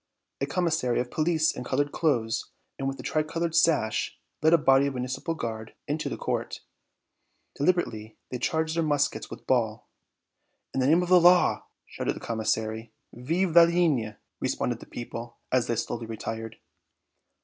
A commissary of police in colored clothes, and with the tri colored sash, led a body of Municipal Guards into the court. Deliberately they charge their muskets with ball. "In the name of the Law!" shouted the commissary. "Vive la Ligne!" responded the people, as they slowly retired.